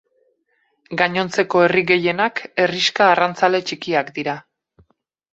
Gainontzeko herri gehienak herrixka arrantzale txikiak dira.